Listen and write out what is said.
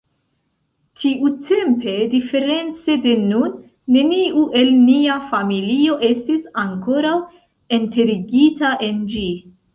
Tiutempe diference de nun, neniu el nia familio estis ankoraŭ enterigita en ĝi.